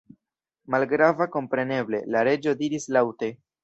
"Malgrava, kompreneble," la Reĝo diris laŭte.